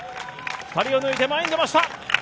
２人を抜いて前に出ました！